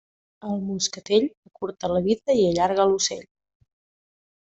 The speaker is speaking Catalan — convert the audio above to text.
El moscatell acurta la vida i allarga l'ocell.